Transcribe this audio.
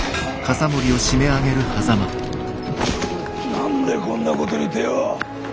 何でこんなことに手を。